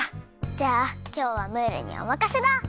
じゃあきょうはムールにおまかせだ！